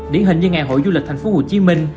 điển hình như ngày hội du lịch thành phố hồ chí minh